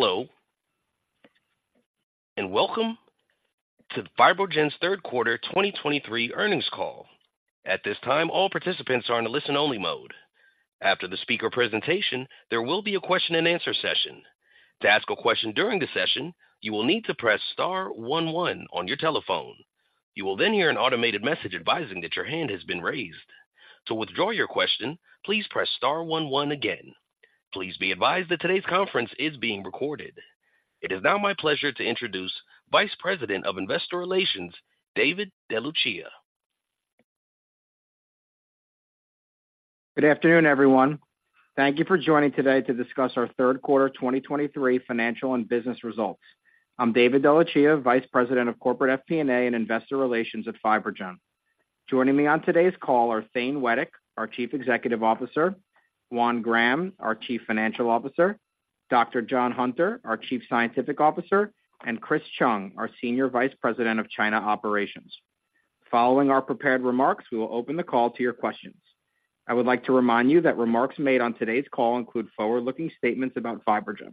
Hello, and welcome to FibroGen's Q3 2023 earnings call. At this time, all participants are in a listen-only mode. After the speaker presentation, there will be a question-and-answer session. To ask a question during the session, you will need to press star one-one your telephone. You will then hear an automated message advising that your hand has been raised. To withdraw your question, please press star one-one again. Please be advised that today's conference is being recorded. It is now my pleasure to introduce Vice President of Investor Relations, David DeLucia. Good afternoon, everyone. Thank you for joining today to discuss our Q3 2023 financial and business results. I'm David DeLucia, Vice President of Corporate FP&A, and Investor Relations at FibroGen. Joining me on today's call are Thane Wettig, our Chief Executive Officer, Juan Graham, our Chief Financial Officer, Dr. John Hunter, our Chief Scientific Officer, and Chris Chung, our Senior Vice President of China Operations. Following our prepared remarks, we will open the call to your questions. I would like to remind you that remarks made on today's call include forward-looking statements about FibroGen.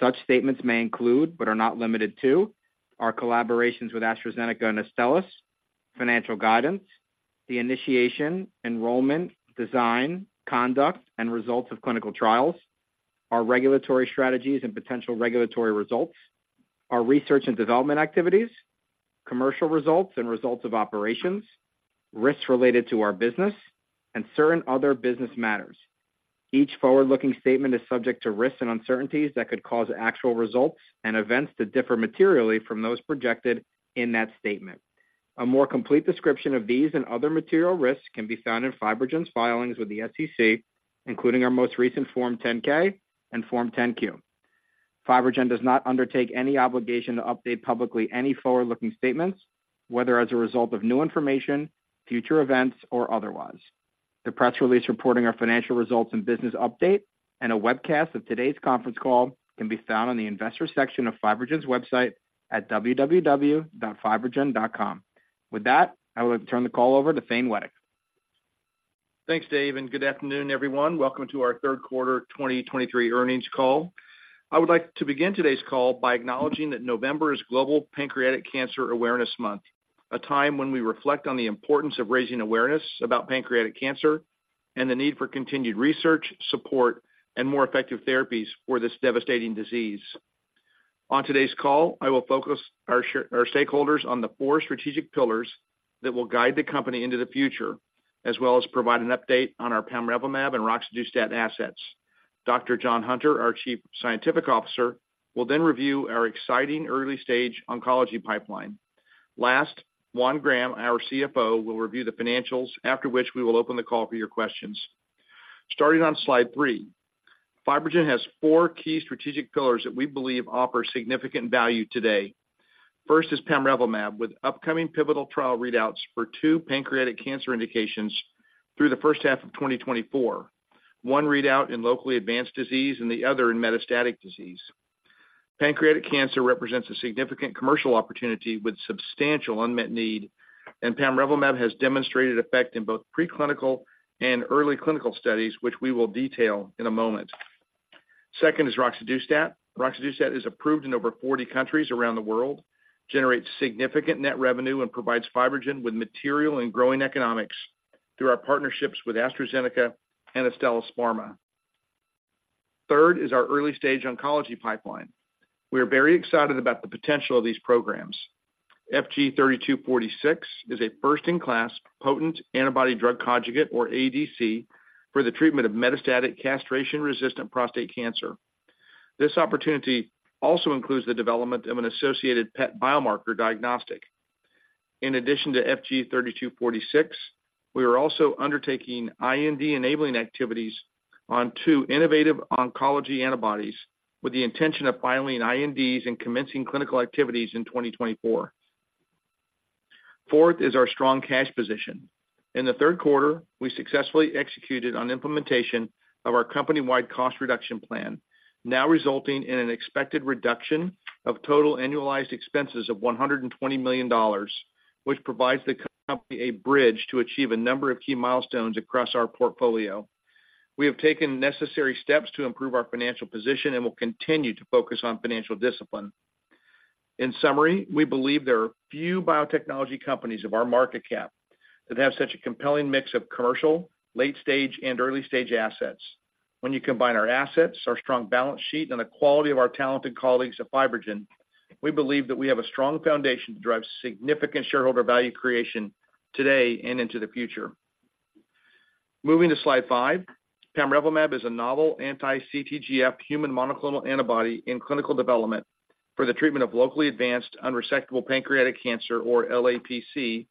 Such statements may include, but are not limited to, our collaborations with AstraZeneca and Astellas, financial guidance, the initiation, enrollment, design, conduct, and results of clinical trials, our regulatory strategies and potential regulatory results, our research and development activities, commercial results and results of operations, risks related to our business, and certain other business matters. Each forward-looking statement is subject to risks and uncertainties that could cause actual results and events to differ materially from those projected in that statement. A more complete description of these and other material risks can be found in FibroGen's filings with the SEC, including our most recent Form 10-K and Form 10-Q. FibroGen does not undertake any obligation to update publicly any forward-looking statements, whether as a result of new information, future events, or otherwise. The press release reporting our financial results and business update, and a webcast of today's conference call can be found on the Investors section of FibroGen's website at www.fibrogen.com. With that, I would like to turn the call over to Thane Wettig. Thanks, Dave, and good afternoon, everyone. Welcome to our Q3 2023 earnings call. I would like to begin today's call by acknowledging that November is Global Pancreatic Cancer Awareness Month, a time when we reflect on the importance of raising awareness about pancreatic cancer and the need for continued research, support, and more effective therapies for this devastating disease. On today's call, I will focus our stakeholders on the four strategic pillars that will guide the company into the future, as well as provide an update on our pamrevlumab and roxadustat assets. Dr. John Hunter, our Chief Scientific Officer, will then review our exciting early-stage oncology pipeline. Last, Juan Graham, our CFO, will review the financials, after which we will open the call for your questions. Starting on slide three, FibroGen has four key strategic pillars that we believe offer significant value today. First is pamrevlumab, with upcoming pivotal trial readouts for two pancreatic cancer indications through the H1 of 2024, one readout in locally advanced disease and the other in metastatic disease. Pancreatic cancer represents a significant commercial opportunity with substantial unmet need, and pamrevlumab has demonstrated effect in both preclinical and early clinical studies, which we will detail in a moment. Second is roxadustat. Roxadustat is approved in over 40 countries around the world, generates significant net revenue, and provides FibroGen with material and growing economics through our partnerships with AstraZeneca and Astellas Pharma. Third is our early-stage oncology pipeline. We are very excited about the potential of these programs. FG-3246 is a first-in-class potent antibody-drug conjugate, or ADC, for the treatment of metastatic castration-resistant prostate cancer. This opportunity also includes the development of an associated PET biomarker diagnostic. In addition to FG-3246, we are also undertaking IND-enabling activities on two innovative oncology antibodies, with the intention of filing INDs and commencing clinical activities in 2024. Fourth is our strong cash position. In Q3, we successfully executed on implementation of our company-wide cost reduction plan, now resulting in an expected reduction of total annualized expenses of $120 million, which provides the company a bridge to achieve a number of key milestones across our portfolio. We have taken necessary steps to improve our financial position and will continue to focus on financial discipline. In summary, we believe there are few biotechnology companies of our market cap that have such a compelling mix of commercial, late-stage, and early-stage assets. When you combine our assets, our strong balance sheet, and the quality of our talented colleagues at FibroGen, we believe that we have a strong foundation to drive significant shareholder value creation today and into the future. Moving to Slide five. Pamrevlumab is a novel anti-CTGF human monoclonal antibody in clinical development for the treatment of locally advanced unresectable pancreatic cancer, or LAPC,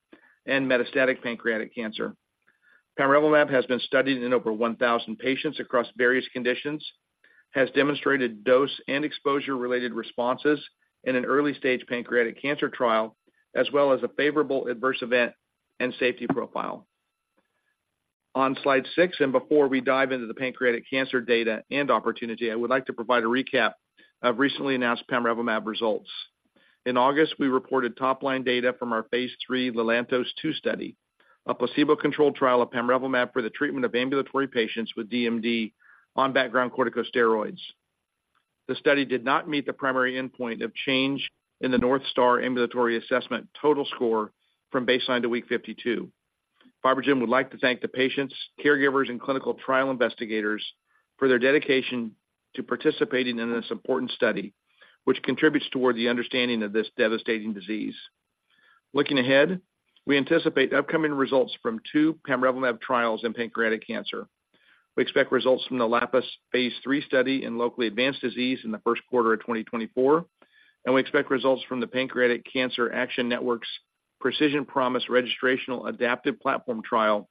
and metastatic pancreatic cancer. Pamrevlumab has been studied in over 1,000 patients across various conditions, has demonstrated dose and exposure-related responses in an early-stage pancreatic cancer trial, as well as a favorable adverse event and safety profile. On Slide six, before we dive into the pancreatic cancer data and opportunity, I would like to provide a recap of recently announced pamrevlumab results. In August, we reported top-line data from our Phase III Lelantos-2 study, a placebo-controlled trial of pamrevlumab for the treatment of ambulatory patients with DMD on background corticosteroids. The study did not meet the primary endpoint of change in the North Star Ambulatory Assessment total score from baseline to week 52. FibroGen would like to thank the patients, caregivers, and clinical trial investigators for their dedication to participating in this important study, which contributes toward the understanding of this devastating disease. Looking ahead, we anticipate upcoming results from two pamrevlumab trials in pancreatic cancer. We expect results from the LAPIS Phase III study in locally advanced disease in the Q1 2024, and we expect results from the Pancreatic Cancer Action Network's Precision Promise Registrational Adaptive Platform Trial,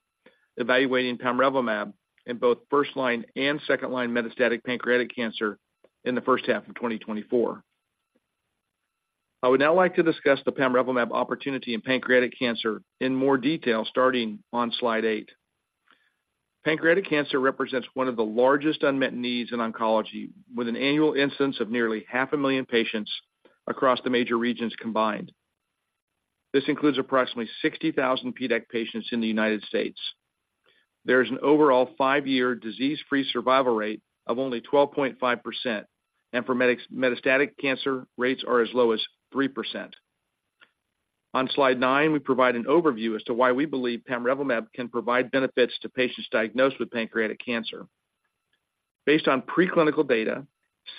evaluating pamrevlumab in both first-line and second-line metastatic pancreatic cancer in the H1 2024. I would now like to discuss the pamrevlumab opportunity in pancreatic cancer in more detail, starting on Slide eight. Pancreatic cancer represents one of the largest unmet needs in oncology, with an annual incidence of nearly 500,000 patients across the major regions combined. This includes approximately 60,000 PDAC patients in the United States. There is an overall 5-year disease-free survival rate of only 12.5%, and for metastatic cancer, rates are as low as 3%. On Slide nine, we provide an overview as to why we believe pamrevlumab can provide benefits to patients diagnosed with pancreatic cancer. Based on preclinical data,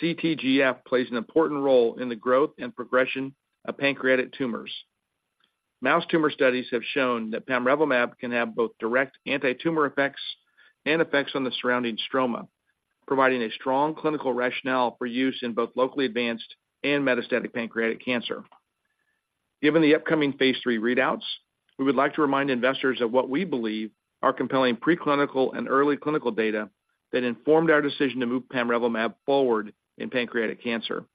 CTGF plays an important role in the growth and progression of pancreatic tumors. Mouse tumor studies have shown that pamrevlumab can have both direct antitumor effects and effects on the surrounding stroma, providing a strong clinical rationale for use in both locally advanced and metastatic pancreatic cancer. Given the upcoming Phase III readouts, we would like to remind investors of what we believe are compelling preclinical and early clinical data that informed our decision to move pamrevlumab forward in pancreatic cancer.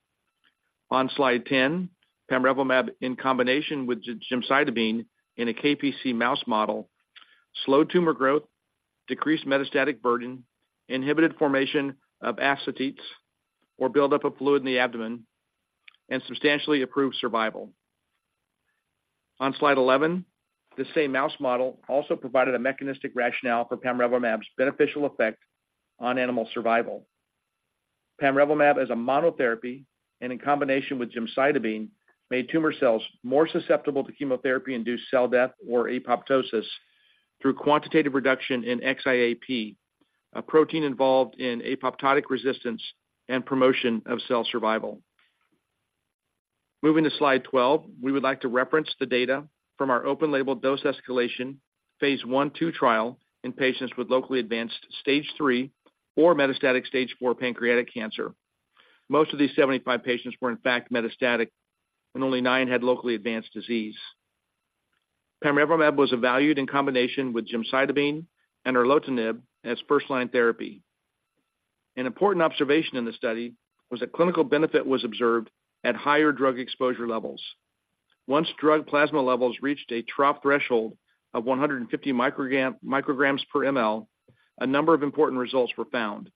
On Slide 10, pamrevlumab, in combination with gemcitabine in a KPC mouse model, slowed tumor growth, decreased metastatic burden, inhibited formation of ascites or buildup of fluid in the abdomen, and substantially improved survival. On Slide 11, the same mouse model also provided a mechanistic rationale for pamrevlumab's beneficial effect on animal survival. Pamrevlumab, as a monotherapy and in combination with gemcitabine, made tumor cells more susceptible to chemotherapy-induced cell death or apoptosis through quantitative reduction in XIAP, a protein involved in apoptotic resistance and promotion of cell survival. Moving to Slide 12, we would like to reference the data from our open-label dose escalation, Phase I/II trial in patients with locally advanced Stage 3 or metastatic Stage 4 pancreatic cancer. Most of these 75 patients were, in fact, metastatic, and only 9 had locally advanced disease. Pamrevlumab was evaluated in combination with gemcitabine and erlotinib as first-line therapy. An important observation in the study was that clinical benefit was observed at higher drug exposure levels. Once drug plasma levels reached a trough threshold of 150 micrograms per mL, a number of important results were found.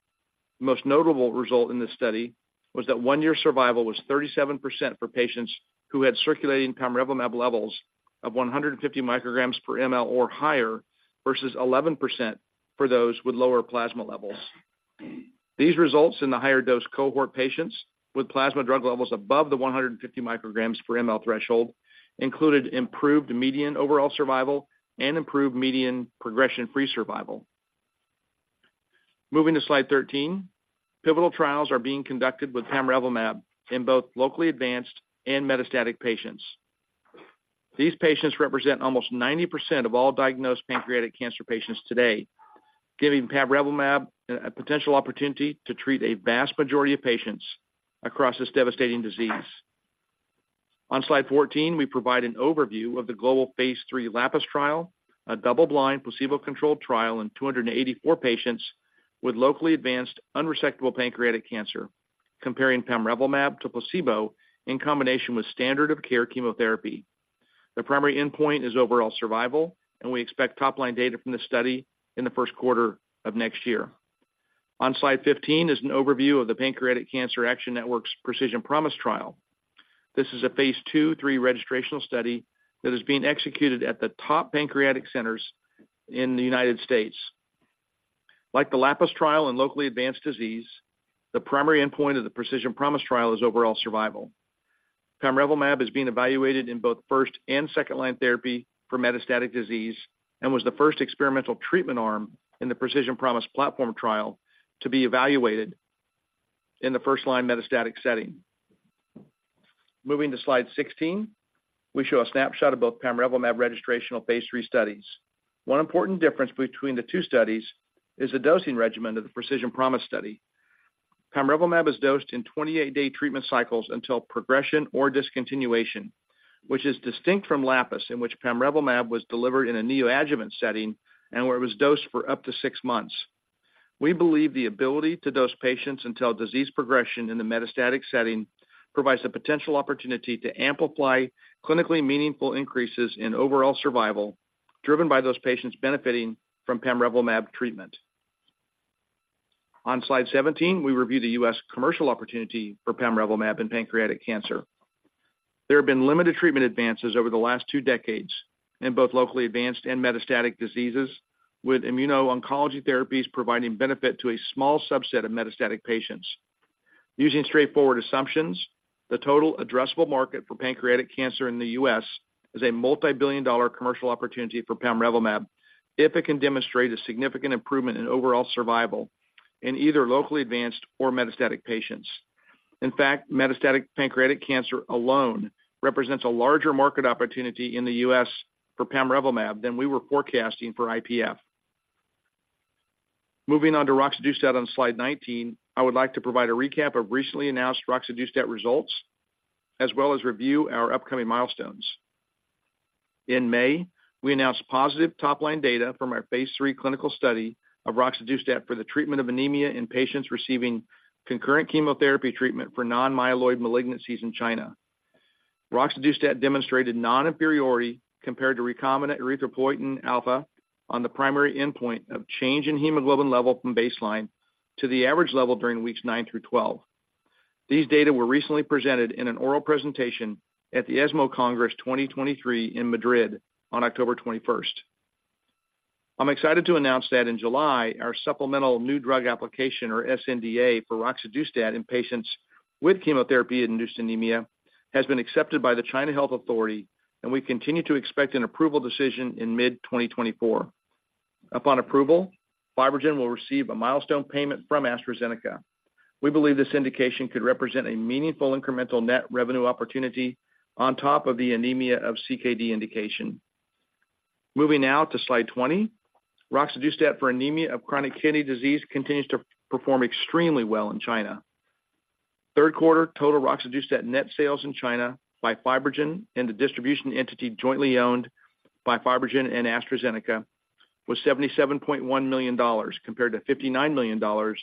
The most notable result in this study was that 1-year survival was 37% for patients who had circulating pamrevlumab levels of 150 micrograms per mL or higher, versus 11% for those with lower plasma levels. These results in the higher dose cohort patients with plasma drug levels above the 150 micrograms per mL threshold included improved median overall survival and improved median progression-free survival. Moving to Slide 13, pivotal trials are being conducted with pamrevlumab in both locally advanced and metastatic patients. These patients represent almost 90% of all diagnosed pancreatic cancer patients today, giving pamrevlumab a potential opportunity to treat a vast majority of patients across this devastating disease. On Slide 14, we provide an overview of the global Phase III LAPIS trial, a double-blind, placebo-controlled trial in 284 patients with locally advanced unresectable pancreatic cancer, comparing pamrevlumab to placebo in combination with standard of care chemotherapy. The primary endpoint is overall survival, and we expect top-line data from this study in the Q1 of next year. On Slide 15 is an overview of the Pancreatic Cancer Action Network's Precision Promise trial. This is a Phase II/III registrational study that is being executed at the top pancreatic centers in the United States. Like the LAPIS trial in locally advanced disease, the primary endpoint of the Precision Promise trial is overall survival. Pamrevlumab is being evaluated in both first- and second-line therapy for metastatic disease and was the first experimental treatment arm in the Precision Promise platform trial to be evaluated in the first-line metastatic setting. Moving to Slide 16, we show a snapshot of both pamrevlumab registrational Phase III studies. One important difference between the two studies is the dosing regimen of the Precision Promise study. Pamrevlumab is dosed in 28-day treatment cycles until progression or discontinuation, which is distinct from LAPIS, in which pamrevlumab was delivered in a neoadjuvant setting and where it was dosed for up to six months.... We believe the ability to dose patients until disease progression in the metastatic setting provides a potential opportunity to amplify clinically meaningful increases in overall survival, driven by those patients benefiting from pamrevlumab treatment. On Slide 17, we review the U.S. commercial opportunity for pamrevlumab in pancreatic cancer. There have been limited treatment advances over the last 2 decades in both locally advanced and metastatic diseases, with immuno-oncology therapies providing benefit to a small subset of metastatic patients. Using straightforward assumptions, the total addressable market for pancreatic cancer in the U.S. is a multibillion-dollar commercial opportunity for pamrevlumab if it can demonstrate a significant improvement in overall survival in either locally advanced or metastatic patients. In fact, metastatic pancreatic cancer alone represents a larger market opportunity in the U.S. for pamrevlumab than we were forecasting for IPF. Moving on to roxadustat on Slide 19, I would like to provide a recap of recently announced roxadustat results, as well as review our upcoming milestones. In May, we announced positive top-line data from our Phase III clinical study of roxadustat for the treatment of anemia in patients receiving concurrent chemotherapy treatment for non-myeloid malignancies in China. Roxadustat demonstrated non-inferiority compared to recombinant erythropoietin alpha on the primary endpoint of change in hemoglobin level from baseline to the average level during weeks 9 through 12. These data were recently presented in an oral presentation at the ESMO Congress 2023 in Madrid on October 21. I'm excited to announce that in July, our supplemental new drug application, or sNDA, for roxadustat in patients with chemotherapy-induced anemia, has been accepted by the China Health Authority, and we continue to expect an approval decision in mid-2024. Upon approval, FibroGen will receive a milestone payment from AstraZeneca. We believe this indication could represent a meaningful incremental net revenue opportunity on top of the anemia of CKD indication. Moving now to Slide 20, roxadustat for anemia of chronic kidney disease continues to perform extremely well in China. Q3 total roxadustat net sales in China by FibroGen and the distribution entity jointly owned by FibroGen and AstraZeneca was $77.1 million, compared to $59 million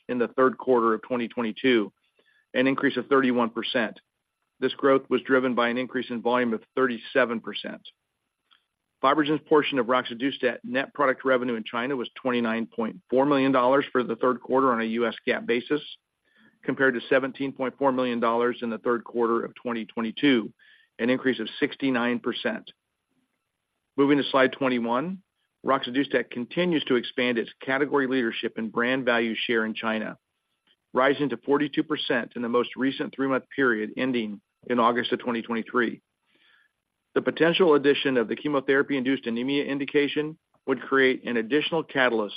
in the Q3 2022, an increase of 31%. This growth was driven by an increase in volume of 37%. FibroGen's portion of roxadustat net product revenue in China was $29.4 million for the Q3 on a US GAAP basis, compared to $17.4 million in the Q3 2022, an increase of 69%. Moving to Slide 21, roxadustat continues to expand its category leadership and brand value share in China, rising to 42% in the most recent three-month period ending in August 2023. The potential addition of the chemotherapy-induced anemia indication would create an additional catalyst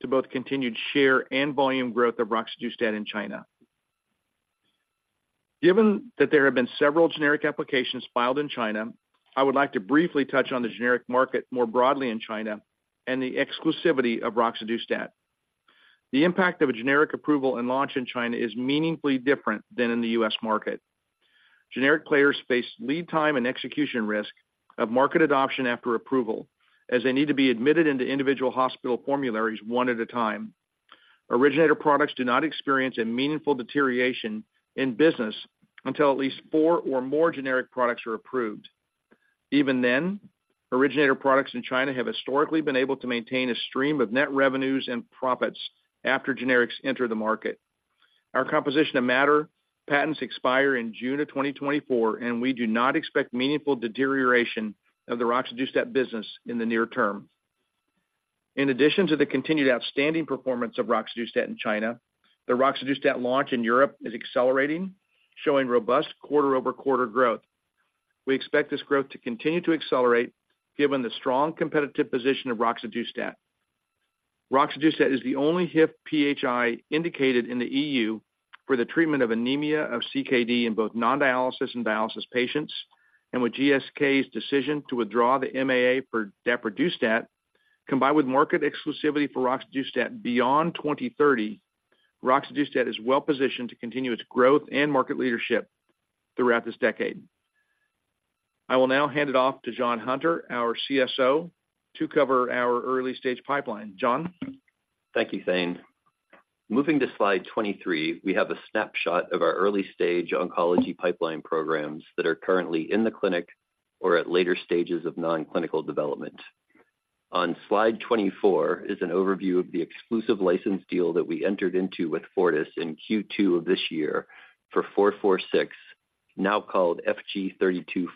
to both continued share and volume growth of roxadustat in China. Given that there have been several generic applications filed in China, I would like to briefly touch on the generic market more broadly in China and the exclusivity of roxadustat. The impact of a generic approval and launch in China is meaningfully different than in the U.S. market. Generic players face lead time and execution risk of market adoption after approval, as they need to be admitted into individual hospital formularies 1 at a time. Originator products do not experience a meaningful deterioration in business until at least 4 or more generic products are approved. Even then, originator products in China have historically been able to maintain a stream of net revenues and profits after generics enter the market. Our composition of matter patents expire in June of 2024, and we do not expect meaningful deterioration of the roxadustat business in the near term. In addition to the continued outstanding performance of roxadustat in China, the roxadustat launch in Europe is accelerating, showing robust quarter-over-quarter growth. We expect this growth to continue to accelerate, given the strong competitive position of roxadustat. Roxadustat is the only HIF-PHI indicated in the EU for the treatment of anemia of CKD in both non-dialysis and dialysis patients, and with GSK's decision to withdraw the MAA for daprodustat, combined with market exclusivity for roxadustat beyond 2030, roxadustat is well positioned to continue its growth and market leadership throughout this decade. I will now hand it off to John Hunter, our Chief Scientific Officer, to cover our early-stage pipeline. John? Thank you, Thane. Moving to Slide 23, we have a snapshot of our early-stage oncology pipeline programs that are currently in the clinic or at later stages of non-clinical development. On Slide 24 is an overview of the exclusive license deal that we entered into with Fortis in Q2 of this year for FOR46, now called FG-3246.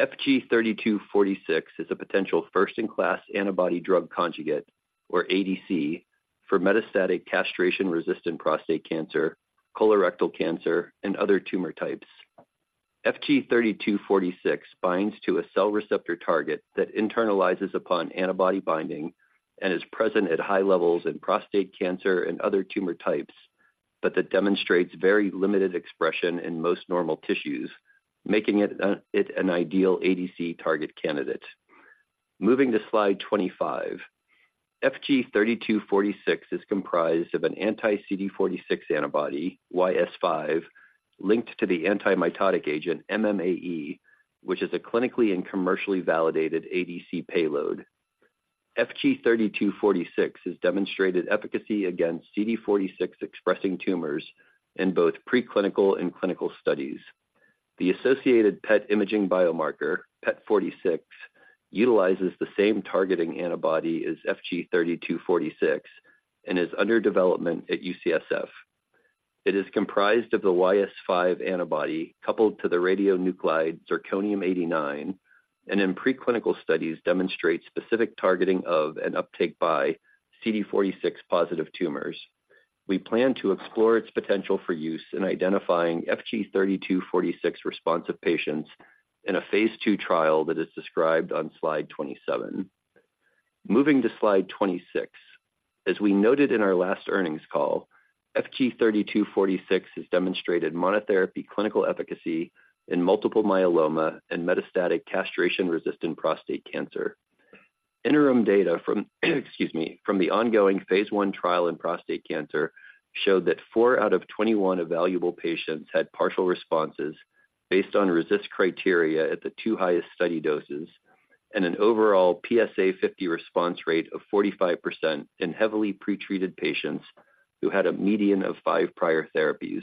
FG-3246 is a potential first-in-class antibody drug conjugate, or ADC, for metastatic castration-resistant prostate cancer, colorectal cancer, and other tumor types. FG-3246 binds to a cell receptor target that internalizes upon antibody binding and is present at high levels in prostate cancer and other tumor types, but that demonstrates very limited expression in most normal tissues, making it an ideal ADC target candidate. Moving to Slide 25. FG-3246 is comprised of an anti-CD46 antibody, YS5, linked to the anti-mitotic agent MMAE, which is a clinically and commercially validated ADC payload. FG-3246 has demonstrated efficacy against CD46-expressing tumors in both preclinical and clinical studies. The associated PET imaging biomarker, PET46, utilizes the same targeting antibody as FG-3246 and is under development at UCSF. It is comprised of the YS5 antibody, coupled to the radionuclide zirconium-89, and in preclinical studies demonstrates specific targeting of an uptake by CD46-positive tumors. We plan to explore its potential for use in identifying FG-3246-responsive patients in a phase II trial that is described on slide 27. Moving to slide 26. As we noted in our last earnings call, FG-3246 has demonstrated monotherapy clinical efficacy in multiple myeloma and metastatic castration-resistant prostate cancer. Interim data from, excuse me, from the ongoing Phase I trial in prostate cancer showed that 4 out of 21 evaluable patients had partial responses based on RECIST criteria at the two highest study doses, and an overall PSA50 response rate of 45% in heavily pretreated patients who had a median of five prior therapies.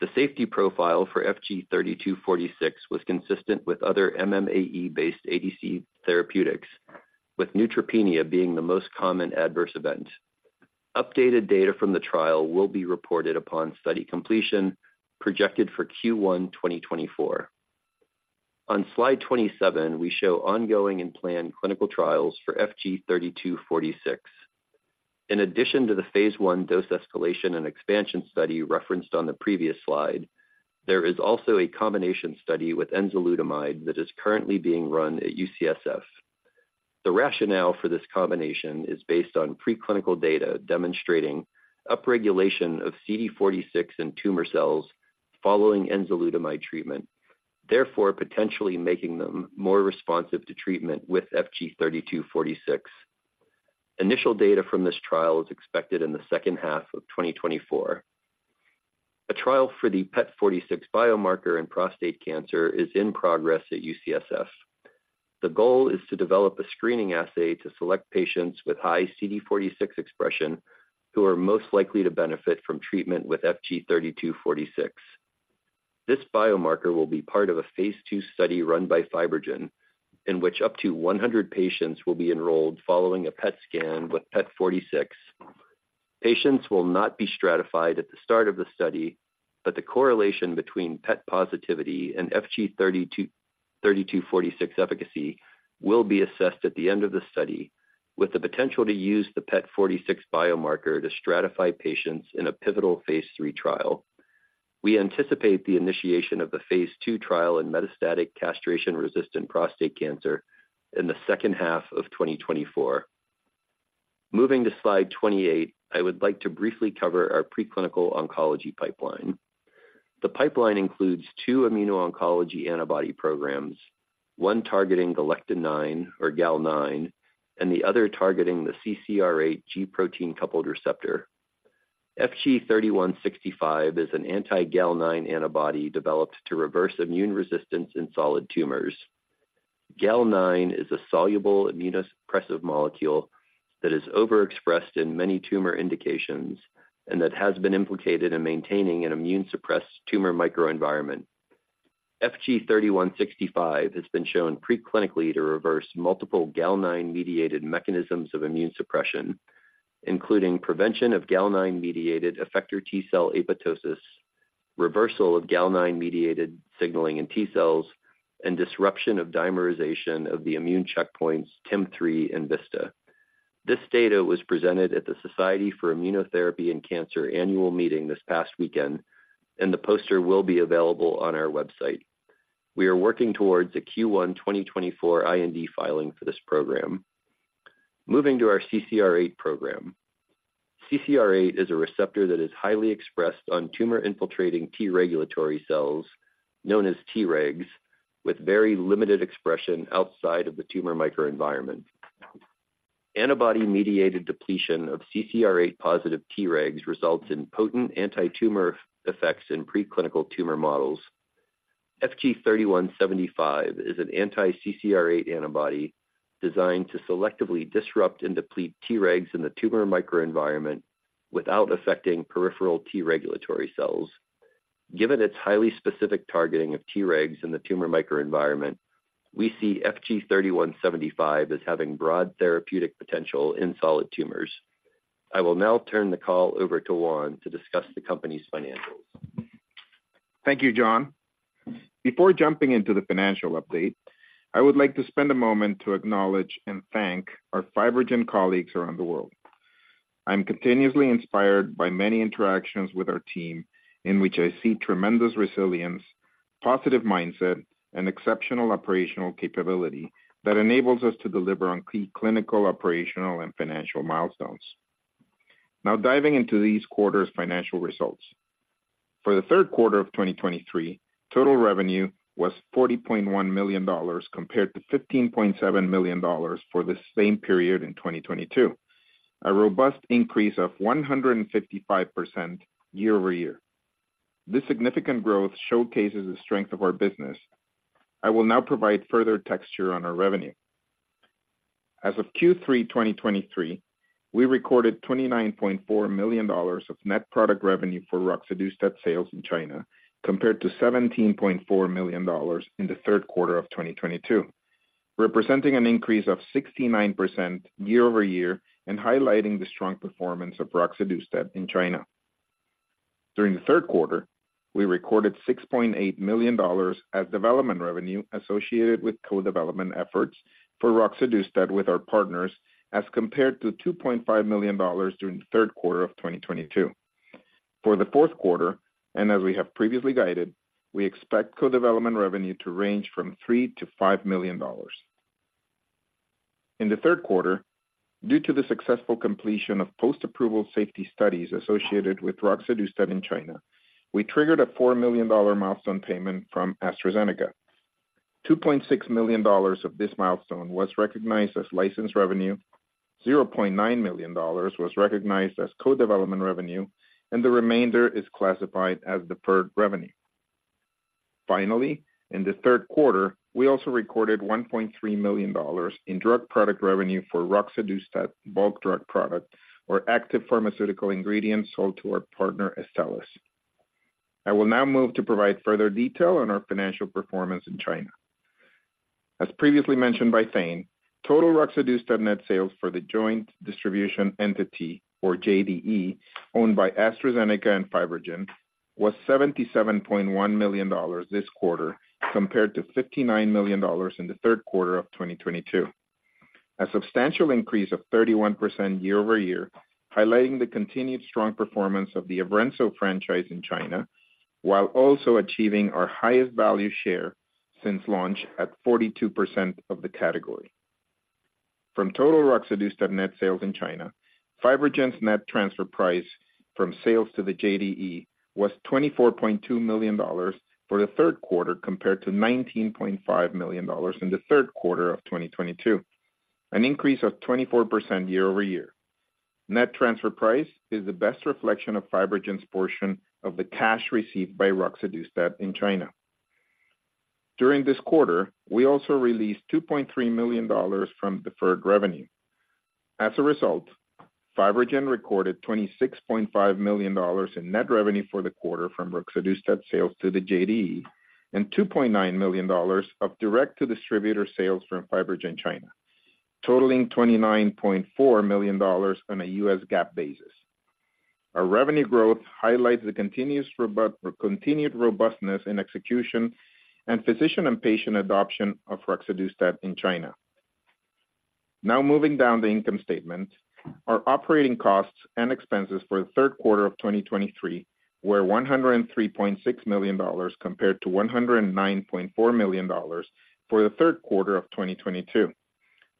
The safety profile for FG-3246 was consistent with other MMAE-based ADC therapeutics, with neutropenia being the most common adverse event. Updated data from the trial will be reported upon study completion, projected for Q1 2024. On slide 27, we show ongoing and planned clinical trials for FG-3246. In addition to the Phase I dose escalation and expansion study referenced on the previous slide, there is also a combination study with enzalutamide that is currently being run at UCSF. The rationale for this combination is based on preclinical data demonstrating upregulation of CD46 in tumor cells following enzalutamide treatment, therefore potentially making them more responsive to treatment with FG-3246. Initial data from this trial is expected in the H2 2024. A trial for the PET46 biomarker in prostate cancer is in progress at UCSF. The goal is to develop a screening assay to select patients with high CD46 expression, who are most likely to benefit from treatment with FG-3246. This biomarker will be part of a phase II study run by FibroGen, in which up to 100 patients will be enrolled following a PET scan with PET46. Patients will not be stratified at the start of the study, but the correlation between PET positivity and FG-3246 efficacy will be assessed at the end of the study, with the potential to use the PET46 biomarker to stratify patients in a pivotal phase III trial. We anticipate the initiation of the phase II trial in metastatic castration-resistant prostate cancer in the H2 2024. Moving to slide 28, I would like to briefly cover our preclinical oncology pipeline. The pipeline includes two immuno-oncology antibody programs, one targeting Galectin-9, or Gal-9, and the other targeting the CCR8 G protein-coupled receptor. FG-3165 is an anti-Gal-9 antibody developed to reverse immune resistance in solid tumors. Gal-9 is a soluble immunosuppressive molecule that is overexpressed in many tumor indications, and that has been implicated in maintaining an immune-suppressed tumor microenvironment. FG-3165 has been shown preclinically to reverse multiple Gal-9-mediated mechanisms of immune suppression, including prevention of Gal-9-mediated effector T-cell apoptosis, reversal of Gal-9-mediated signaling in T cells, and disruption of dimerization of the immune checkpoints TIM-3 and VISTA. This data was presented at the Society for Immunotherapy and Cancer annual meeting this past weekend, and the poster will be available on our website. We are working towards a Q1 2024 IND filing for this program. Moving to our CCR8 program. CCR8 is a receptor that is highly expressed on tumor-infiltrating T regulatory cells, known as Tregs, with very limited expression outside of the tumor microenvironment. Antibody-mediated depletion of CCR8-positive Tregs results in potent antitumor effects in preclinical tumor models. FG-3175 is an anti-CCR8 antibody designed to selectively disrupt and deplete Tregs in the tumor microenvironment without affecting peripheral T regulatory cells. Given its highly specific targeting of Tregs in the tumor microenvironment, we see FG-3175 as having broad therapeutic potential in solid tumors. I will now turn the call over to Juan to discuss the company's financials. Thank you, John. Before jumping into the financial update, I would like to spend a moment to acknowledge and thank our FibroGen colleagues around the world. I'm continuously inspired by many interactions with our team, in which I see tremendous resilience, positive mindset, and exceptional operational capability that enables us to deliver on key clinical, operational, and financial milestones. Now diving into this quarter's financial results. For the Q3 of 2023, total revenue was $40.1 million, compared to $15.7 million for the same period in 2022, a robust increase of 155% year-over-year. This significant growth showcases the strength of our business. I will now provide further texture on our revenue. As of Q3 2023, we recorded $29.4 million of net product revenue for roxadustat sales in China, compared to $17.4 million in the Q3 of 2022, representing an increase of 69% year-over-year, and highlighting the strong performance of roxadustat in China. During the Q3, we recorded $6.8 million as development revenue associated with co-development efforts for roxadustat with our partners, as compared to $2.5 million during the Q3 of 2022. For the Q4, and as we have previously guided, we expect co-development revenue to range from $3 million to $5 million. In the Q3, due to the successful completion of post-approval safety studies associated with roxadustat in China, we triggered a $4 million milestone payment from AstraZeneca. $2.6 million of this milestone was recognized as licensed revenue, $0.9 million was recognized as co-development revenue, and the remainder is classified as deferred revenue. Finally, in the Q3, we also recorded $1.3 million in drug product revenue for roxadustat bulk drug product, or active pharmaceutical ingredients sold to our partner, Astellas. I will now move to provide further detail on our financial performance in China. As previously mentioned by Thane, total roxadustat net sales for the joint distribution entity, or JDE, owned by AstraZeneca and FibroGen, was $77.1 million this quarter, compared to $59 million in the Q3 2022. A substantial increase of 31% year-over-year, highlighting the continued strong performance of the Evrenzo franchise in China, while also achieving our highest value share since launch, at 42% of the category. From total roxadustat net sales in China, FibroGen's net transfer price from sales to the JDE was $24.2 million for the Q3, compared to $19.5 million in the Q3 2022, an increase of 24% year-over-year. Net transfer price is the best reflection of FibroGen's portion of the cash received by roxadustat in China. During this quarter, we also released $2.3 million from deferred revenue. As a result, FibroGen recorded $26.5 million in net revenue for the quarter from roxadustat sales to the JDE, and $2.9 million of direct-to-distributor sales from FibroGen China, totaling $29.4 million on a U.S. GAAP basis. Our revenue growth highlights the continued robustness in execution and physician and patient adoption of roxadustat in China. Now moving down the income statement. Our operating costs and expenses for the Q3 2023 were $103.6 million, compared to $109.4 million for the Q3 2022,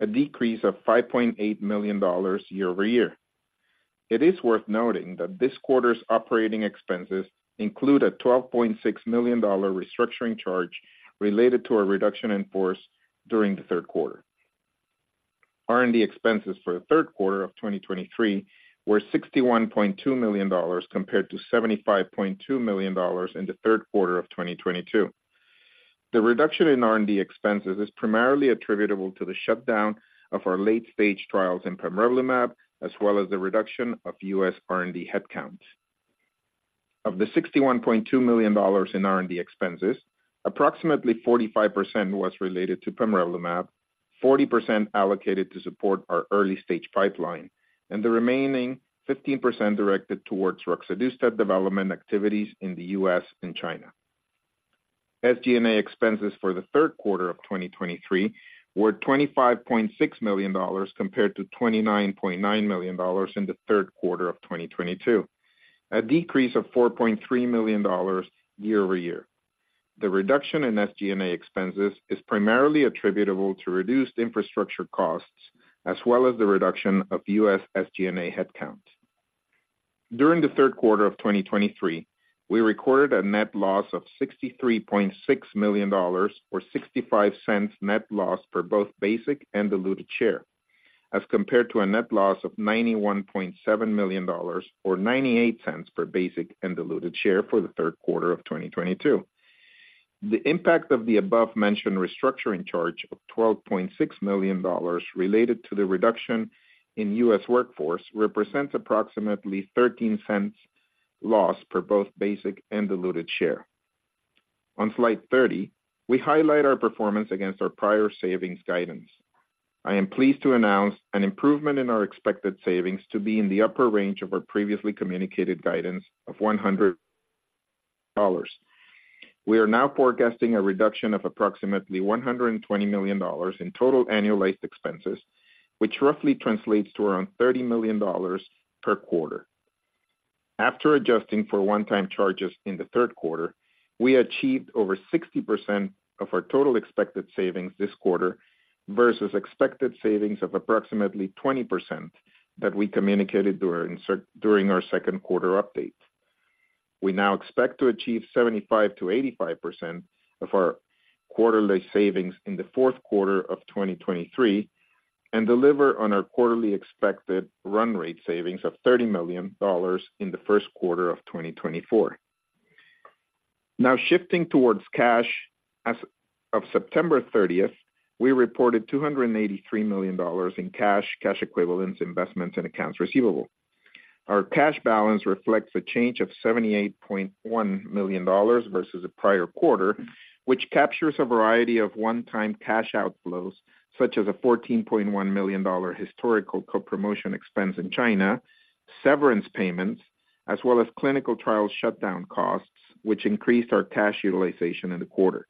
a decrease of $5.8 million year-over-year. It is worth noting that this quarter's operating expenses include a $12.6 million restructuring charge related to a reduction in force during the Q3. R&D expenses for the Q3 2023 were $61.2 million, compared to $75.2 million in the Q3 2022. The reduction in R&D expenses is primarily attributable to the shutdown of our late-stage trials in pamrevlumab, as well as the reduction of U.S. R&D headcount. Of the $61.2 million in R&D expenses, approximately 45% was related to pamrevlumab, 40% allocated to support our early-stage pipeline, and the remaining 15% directed towards roxadustat development activities in the U.S. and China. SG&A expenses for the Q3 2023 were $25.6 million, compared to $29.9 million in the Q3 2022, a decrease of $4.3 million year-over-year. The reduction in SG&A expenses is primarily attributable to reduced infrastructure costs, as well as the reduction of U.S. SG&A headcount. During the Q3 2023, we recorded a net loss of $63.6 million, or $0.65 net loss per both basic and diluted share, as compared to a net loss of $91.7 million, or $0.98 per basic and diluted share for the Q3 2022. The impact of the above-mentioned restructuring charge of $12.6 million related to the reduction in U.S. workforce represents approximately $0.13 loss per both basic and diluted share. On slide 30, we highlight our performance against our prior savings guidance. I am pleased to announce an improvement in our expected savings to be in the upper range of our previously communicated guidance of $100. We are now forecasting a reduction of approximately $120 million in total annualized expenses, which roughly translates to around $30 million per quarter. After adjusting for one-time charges in the Q3, we achieved over 60% of our total expected savings this quarter, versus expected savings of approximately 20% that we communicated during during our Q2 update. We now expect to achieve 75%-85% of our quarterly savings in the Q4 2023, and deliver on our quarterly expected run rate savings of $30 million in the Q1 2024. Now, shifting towards cash, as of September 30, we reported $283 million in cash, cash equivalents, investments, and accounts receivable. Our cash balance reflects a change of $78.1 million versus the prior quarter, which captures a variety of one-time cash outflows, such as a $14.1 million historical co-promotion expense in China, severance payments, as well as clinical trial shutdown costs, which increased our cash utilization in the quarter.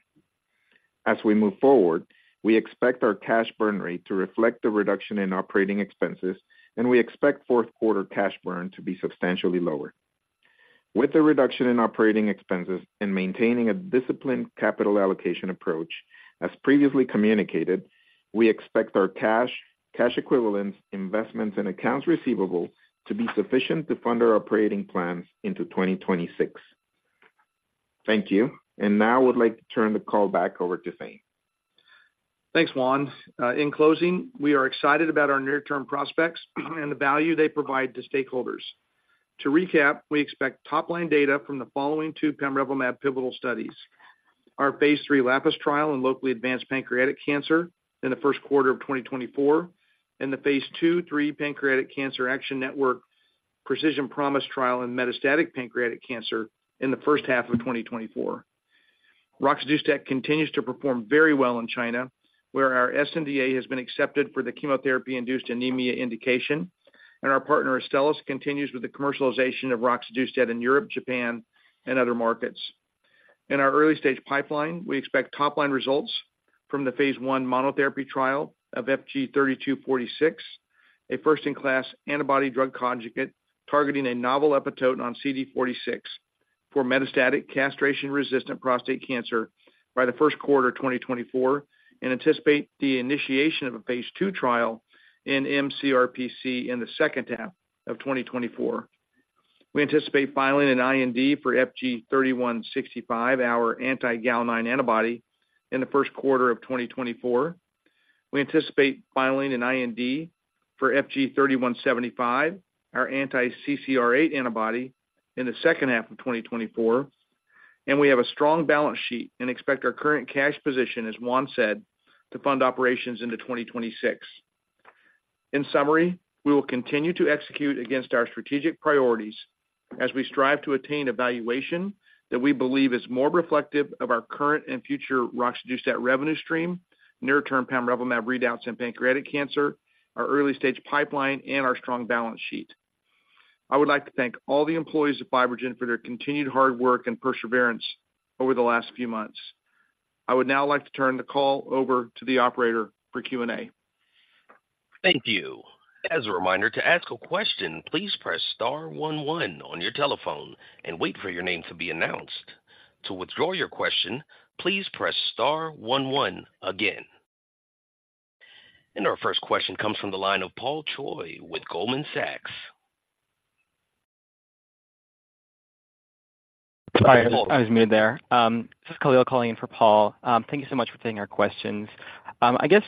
As we move forward, we expect our cash burn rate to reflect the reduction in operating expenses, and we expect fourth quarter cash burn to be substantially lower. With the reduction in operating expenses and maintaining a disciplined capital allocation approach, as previously communicated, we expect our cash, cash equivalents, investments, and accounts receivable to be sufficient to fund our operating plans into 2026. Thank you. And now I would like to turn the call back over to Thane. Thanks, Juan. In closing, we are excited about our near-term prospects and the value they provide to stakeholders. To recap, we expect top-line data from the following two pamrevlumab pivotal studies: Our Phase III LAPIS trial in locally advanced pancreatic cancer in the Q1 2024, and the Phase II/III Pancreatic Cancer Action Network, Precision Promise Trial in metastatic pancreatic cancer in the H1 2024. Roxadustat continues to perform very well in China, where our sNDA has been accepted for the chemotherapy-induced anemia indication, and our partner, Astellas, continues with the commercialization of roxadustat in Europe, Japan, and other markets. In our early-stage pipeline, we expect top-line results from the Phase I monotherapy trial of FG-3246, a first-in-class antibody-drug conjugate, targeting a novel epitope on CD46 for metastatic castration-resistant prostate cancer by the Q1 2024, and anticipate the initiation of a Phase II trial in mCRPC in the H2 2024. We anticipate filing an IND for FG-3165, our anti-Gal-9 antibody, in the Q1 2024. We anticipate filing an IND for FG-3175, our anti-CCR8 antibody, in the H2 2024, and we have a strong balance sheet and expect our current cash position, as Juan said, to fund operations into 2026. In summary, we will continue to execute against our strategic priorities as we strive to attain a valuation that we believe is more reflective of our current and future roxadustat revenue stream, near-term pamrevlumab readouts in pancreatic cancer, our early-stage pipeline, and our strong balance sheet. I would like to thank all the employees of FibroGen for their continued hard work and perseverance over the last few months. I would now like to turn the call over to the operator for Q&A. Thank you. As a reminder, to ask a question, please press star one one on your telephone and wait for your name to be announced. To withdraw your question, please press star one one again. Our first question comes from the line of Paul Choi with Goldman Sachs. Hi, I was muted there. This is Khalil calling in for Paul. Thank you so much for taking our questions. I guess,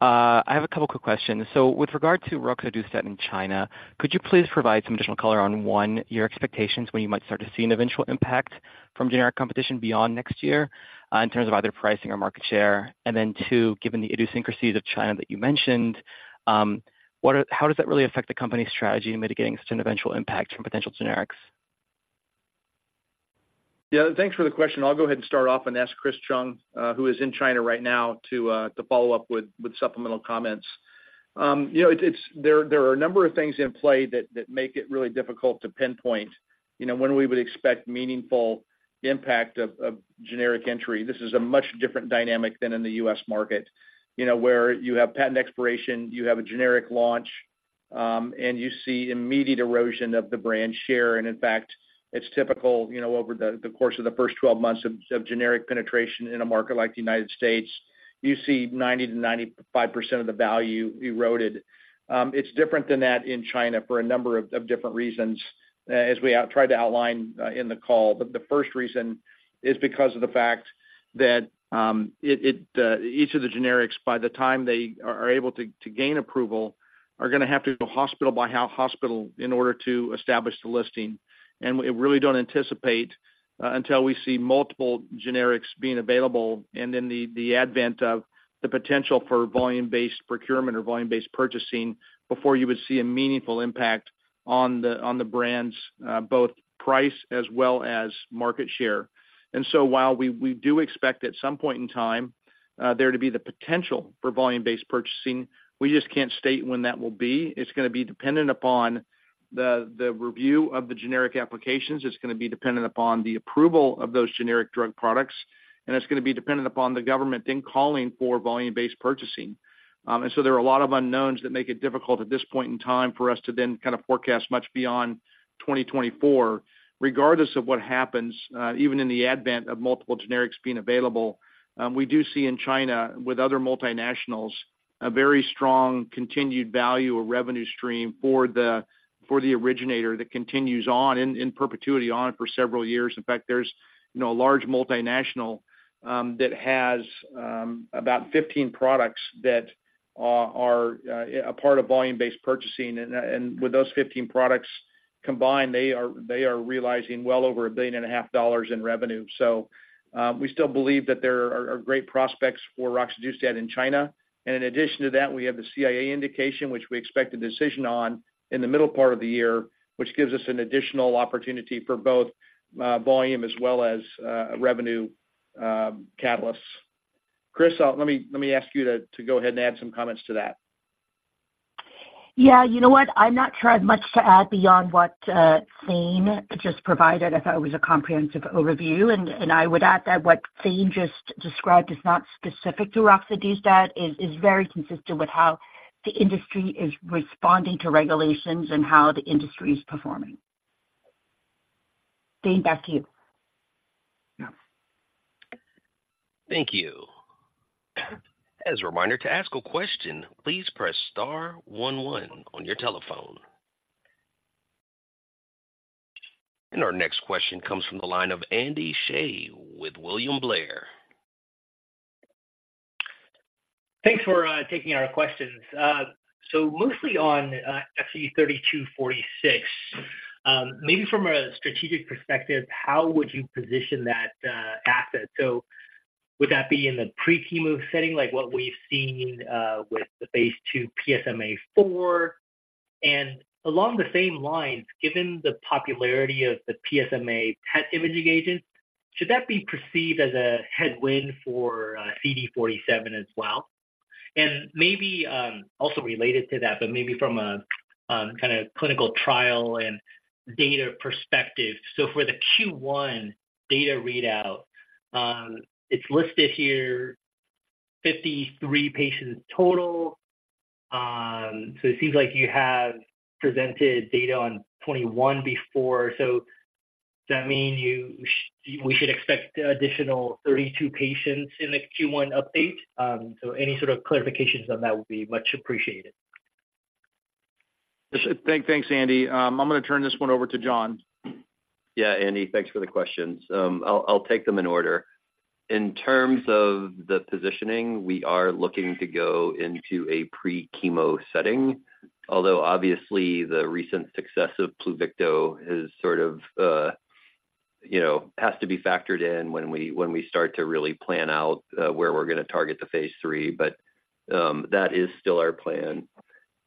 I have a couple quick questions. With regard to roxadustat in China, could you please provide some additional color on, one, your expectations when you might start to see an eventual impact from generic competition beyond next year, in terms of either pricing or market share? And then, two, given the idiosyncrasies of China that you mentioned, how does that really affect the company's strategy in mitigating such an eventual impact from potential generics? Yeah, thanks for the question. I'll go ahead and start off and ask Chris Chung, who is in China right now, to follow up with supplemental comments. You know, there are a number of things in play that make it really difficult to pinpoint, you know, when we would expect meaningful impact of generic entry. This is a much different dynamic than in the U.S. market. You know, where you have patent expiration, you have a generic launch, and you see immediate erosion of the brand share. And in fact, it's typical, you know, over the course of the first 12 months of generic penetration in a market like the United States, you see 90%-95% of the value eroded. It's different than that in China for a number of different reasons, as we tried to outline in the call. But the first reason is because of the fact that each of the generics, by the time they are able to gain approval, are gonna have to go hospital by hospital in order to establish the listing. We really don't anticipate until we see multiple generics being available and then the advent of the potential for volume-based procurement or volume-based purchasing before you would see a meaningful impact on the brands, both price as well as market share. And so while we do expect at some point in time there to be the potential for volume-based purchasing, we just can't state when that will be. It's gonna be dependent upon the review of the generic applications. It's gonna be dependent upon the approval of those generic drug products, and it's gonna be dependent upon the government then calling for volume-based purchasing. And so there are a lot of unknowns that make it difficult at this point in time for us to then kind of forecast much beyond 2024. Regardless of what happens, even in the advent of multiple generics being available, we do see in China, with other multinationals, a very strong continued value or revenue stream for the originator that continues on in perpetuity on it for several years. In fact, there's, you know, a large multinational that has about 15 products that are a part of volume-based purchasing. And, and with those 15 products-... combined, they are realizing well over $1.5 billion in revenue. So, we still believe that there are great prospects for roxadustat in China. And in addition to that, we have the CIA indication, which we expect a decision on in the middle part of the year, which gives us an additional opportunity for both, volume as well as, revenue, catalysts. Chris, let me ask you to go ahead and add some comments to that. Yeah, you know what? I've not tried much to add beyond what, Thane just provided. I thought it was a comprehensive overview, and, and I would add that what Thane just described is not specific to roxadustat, is, is very consistent with how the industry is responding to regulations and how the industry is performing. Thane, back to you. Yeah. Thank you. As a reminder, to ask a question, please press star one, one on your telephone. Our next question comes from the line of Andy Hsieh with William Blair. Thanks for taking our questions. So mostly on FG-3246, maybe from a strategic perspective, how would you position that asset? So would that be in the pre-chemo setting, like what we've seen with the Phase II PSMAfore? And along the same lines, given the popularity of the PSMA PET imaging agent, should that be perceived as a headwind for CD-46 as well? And maybe also related to that, but maybe from a kinda clinical trial and data perspective, so for the Q1 data readout, it's listed here 53 patients total. So it seems like you have presented data on 21 before. So does that mean you-- we should expect additional 32 patients in the Q1 update? So any sort of clarifications on that would be much appreciated. Thanks, thanks, Andy. I'm gonna turn this one over to John. Yeah, Andy, thanks for the questions. I'll take them in order. In terms of the positioning, we are looking to go into a pre-chemo setting, although obviously, the recent success of Pluvicto has sort of, you know, has to be factored in when we start to really plan out where we're gonna target the Phase III. But, that is still our plan.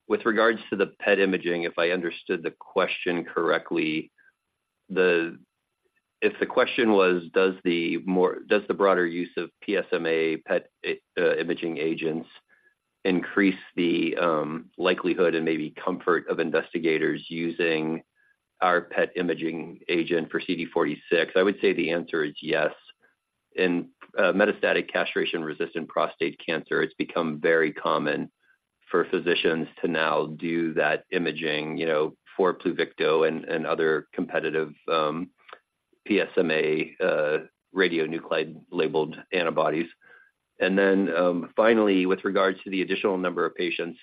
With regards to the PET imaging, if I understood the question correctly, the... If the question was, does the broader use of PSMA PET imaging agents increase the likelihood and maybe comfort of investigators using our PET imaging agent for CD-46? I would say the answer is yes. In metastatic castration-resistant prostate cancer, it's become very common for physicians to now do that imaging, you know, for Pluvicto and other competitive PSMA radionuclide-labeled antibodies. And then, finally, with regards to the additional number of patients,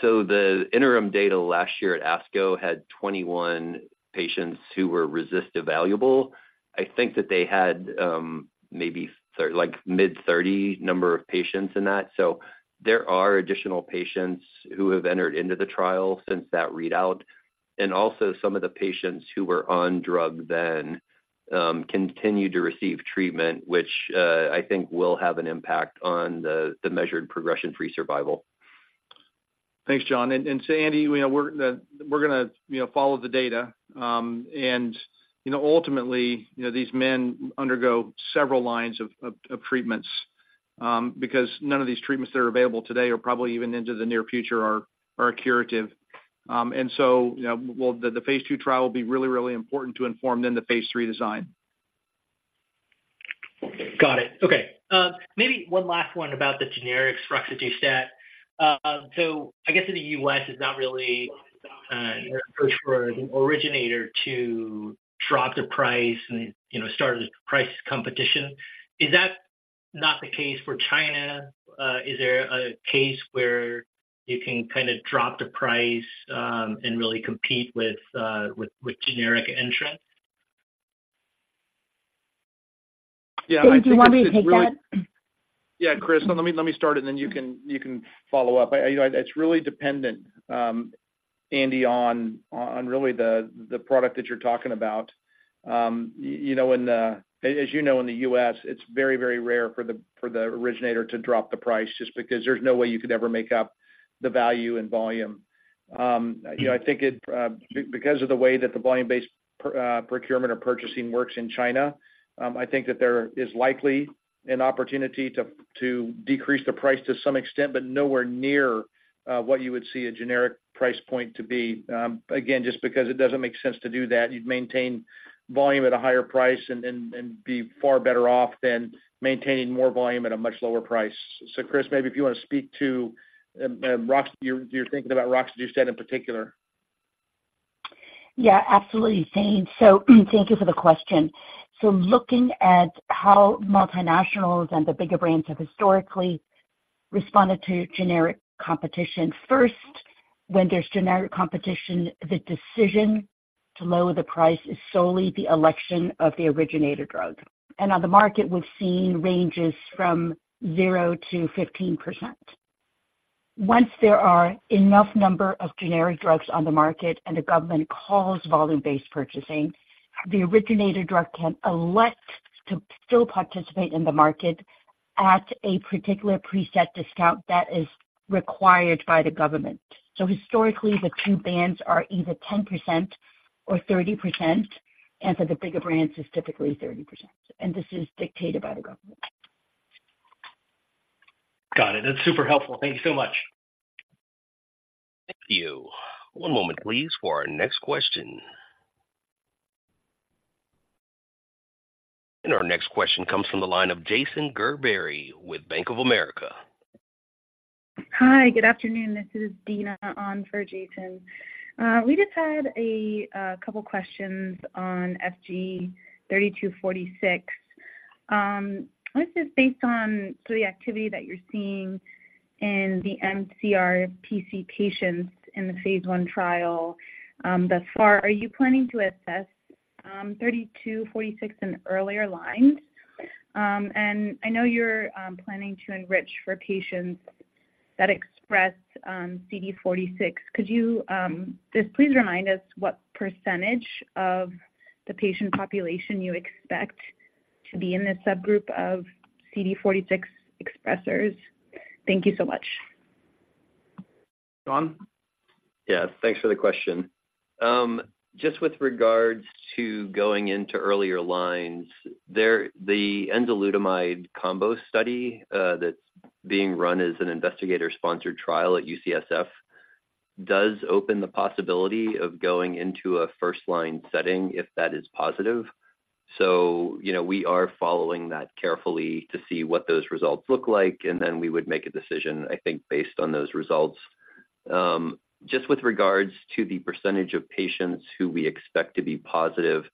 so the interim data last year at ASCO had 21 patients who were RECIST evaluable. I think that they had maybe like mid-30 number of patients in that. So there are additional patients who have entered into the trial since that readout, and also some of the patients who were on drug then continued to receive treatment, which I think will have an impact on the measured progression-free survival. Thanks, John. So Andy, you know, we're gonna, you know, follow the data. And, you know, ultimately, you know, these men undergo several lines of treatments, because none of these treatments that are available today or probably even into the near future are curative. And so, you know, well, the Phase II trial will be really, really important to inform then the Phase III design. Got it. Okay, maybe one last one about the generics, roxadustat. So I guess in the U.S., it's not really search for an originator to drop the price and, you know, start a price competition. Is that not the case for China? Is there a case where you can kinda drop the price, and really compete with generic entrants? Yeah, I think it's really- Do you want me to take that? Yeah, Chris, let me, let me start, and then you can, you can follow up. I... You know, it's really dependent, Andy, on, on really the, the product that you're talking about. You know, as you know, in the US, it's very, very rare for the, for the originator to drop the price, just because there's no way you could ever make up the value and volume. You know, I think it, because of the way that the volume-based procurement or purchasing works in China, I think that there is likely an opportunity to, to decrease the price to some extent, but nowhere near, what you would see a generic price point to be. Again, just because it doesn't make sense to do that. You'd maintain volume at a higher price and be far better off than maintaining more volume at a much lower price. So, Chris, maybe if you wanna speak to, you're thinking about roxadustat in particular. Yeah, absolutely, Thane. So thank you for the question. So looking at how multinationals and the bigger brands have historically responded to generic competition, first, when there's generic competition, the decision to lower the price is solely the election of the originator drug. And on the market, we've seen ranges from 0%-15%.... Once there are enough number of generic drugs on the market and the government calls volume-based purchasing, the originator drug can elect to still participate in the market at a particular preset discount that is required by the government. So historically, the two bands are either 10% or 30%, and for the bigger brands, it's typically 30%, and this is dictated by the government. Got it. That's super helpful. Thank you so much. Thank you. One moment, please, for our next question. Our next question comes from the line of Jason Gerberry with Bank of America. Hi, good afternoon. This is Dina on for Jason. We just had a couple questions on FG-3246. This is based on the activity that you're seeing in the mCRPC patients in the Phase I trial. Thus far, are you planning to assess 3246 in earlier lines? And I know you're planning to enrich for patients that express CD46. Could you just please remind us what percentage of the patient population you expect to be in this subgroup of CD46 expressors? Thank you so much. John? Yeah, thanks for the question. Just with regards to going into earlier lines, the enzalutamide combo study, that's being run as an investigator-sponsored trial at UCSF, does open the possibility of going into a first-line setting, if that is positive. So, you know, we are following that carefully to see what those results look like, and then we would make a decision, I think, based on those results. Just with regards to the percentage of patients who we expect to be positive,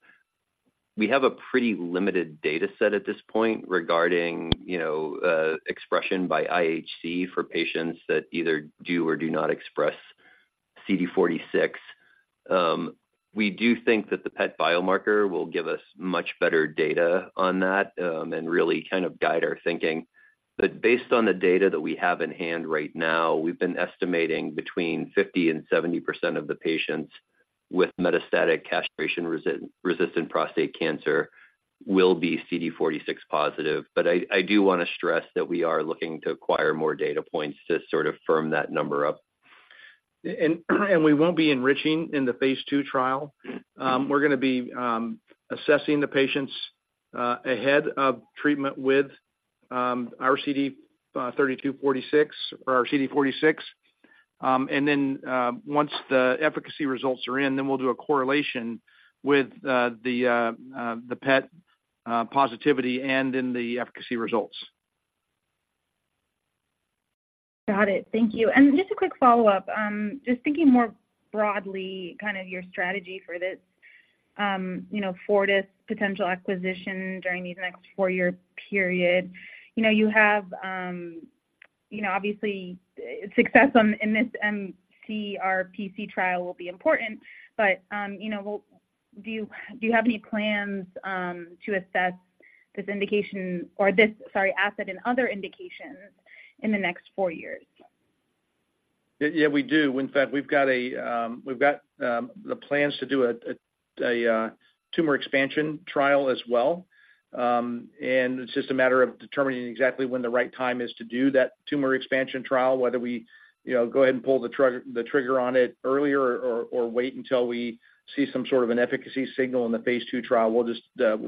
we have a pretty limited data set at this point regarding, you know, expression by IHC for patients that either do or do not express CD46. We do think that the PET biomarker will give us much better data on that, and really kind of guide our thinking. But based on the data that we have in hand right now, we've been estimating between 50% and 70% of the patients with metastatic castration-resistant prostate cancer will be CD-46 positive. But I, I do wanna stress that we are looking to acquire more data points to sort of firm that number up. We won't be enriching in the phase two trial. We're gonna be assessing the patients ahead of treatment with our FG-3246 or our CD46. Then, once the efficacy results are in, we'll do a correlation with the PET positivity and the efficacy results. Got it. Thank you. And just a quick follow-up, just thinking more broadly, kind of your strategy for this, you know, Fortis potential acquisition during these next four-year period. You know, you have, you know, obviously, success on, in this MCRPC trial will be important, but, you know, well, do you, do you have any plans, to assess this indication or this, sorry, asset and other indications in the next four years? Yeah, yeah, we do. In fact, we've got the plans to do a tumor expansion trial as well. It's just a matter of determining exactly when the right time is to do that tumor expansion trial, whether we, you know, go ahead and pull the trigger on it earlier or wait until we see some sort of an efficacy signal in the Phase II trial. We'll just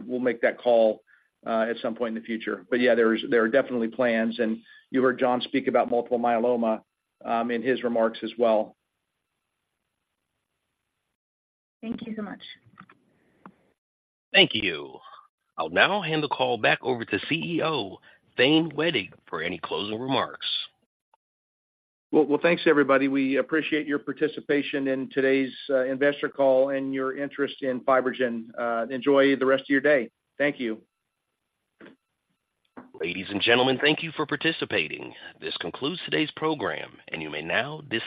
make that call at some point in the future. But yeah, there are definitely plans, and you heard John speak about multiple myeloma in his remarks as well. Thank you so much. Thank you. I'll now hand the call back over to CEO Thane Wettig for any closing remarks. Well, well, thanks, everybody. We appreciate your participation in today's investor call and your interest in FibroGen. Enjoy the rest of your day. Thank you. Ladies and gentlemen, thank you for participating. This concludes today's program, and you may now disconnect.